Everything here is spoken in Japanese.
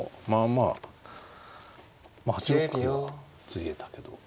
まあ８六歩はついえたけど。